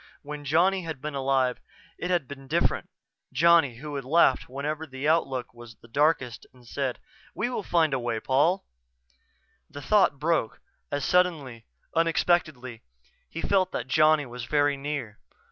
When Johnny had been alive it had been different; Johnny, who had laughed whenever the outlook was the darkest and said, "_We'll find a way, Paul _" The thought broke as suddenly, unexpectedly, he felt that Johnny was very near.